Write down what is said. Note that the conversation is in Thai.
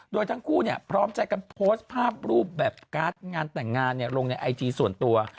โดยทั้งคู่พร้อมใจกันโพสต์ภาพรูปแบบการ์ดงานแต่งงานลงในไอจีส่วนตัว